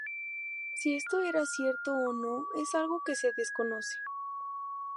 Si esto era cierto o no es algo que se desconoce.